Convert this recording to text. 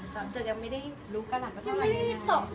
เราจนยังไม่ได้รู้กัน